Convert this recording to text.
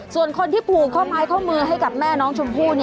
ส่วนคนที่ผูกข้อไม้ข้อมือให้กับแม่น้องชมพู่